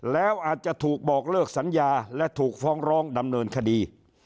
แล้วอาจจะถูกบอกเลิกสัญญาและถูกฟ้องร้องดำเนินคดี